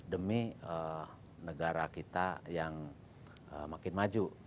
demi negara kita yang makin maju